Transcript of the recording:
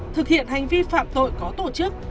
thực hiện hành vi phạm tội có tổ chức